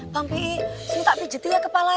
bang pih sini tak pijetin ya kepala ya